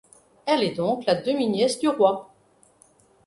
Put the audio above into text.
Elle est donc la demi-nièce du roi.